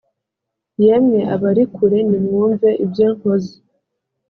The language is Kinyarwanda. yemwe abari kure nimwumve ibyo nkoze